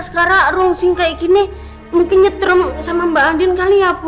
sekarang ruang sing kayak gini mungkin nyetrum sama mbak andien kali ya bu